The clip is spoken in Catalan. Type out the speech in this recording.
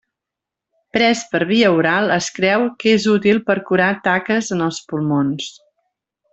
Pres per via oral es creu que és útil per curar taques en els pulmons.